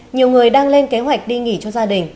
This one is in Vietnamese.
nhiều người đang lên kế hoạch đi nghỉ cho gia đình